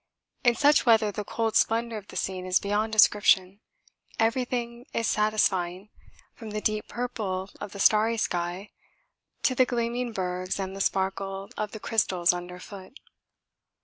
In such weather the cold splendour of the scene is beyond description; everything is satisfying, from the deep purple of the starry sky to the gleaming bergs and the sparkle of the crystals under foot.